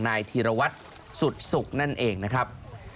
ธีรวัตรสุดสุขนั่นเองนะครับ